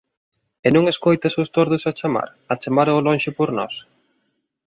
E non escoitas os tordos a chamar, a chamar ao lonxe por nós?